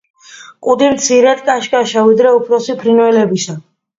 კუდი მცირედ კაშკაშაა, ვიდრე უფროსი ფრინველებისა.